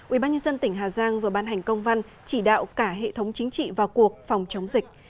ubnd tỉnh hà giang vừa ban hành công văn chỉ đạo cả hệ thống chính trị vào cuộc phòng chống dịch